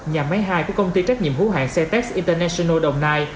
nhà máy hai của công ty trách nhiệm hữu hạng ctex international đồng nai